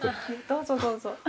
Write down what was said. どうぞどうぞ。